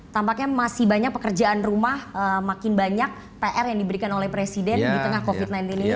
tampaknya masih banyak pekerjaan rumah makin banyak pr yang diberikan oleh presiden di tengah covid sembilan belas ini